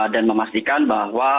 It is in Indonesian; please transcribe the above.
dan memastikan bahwa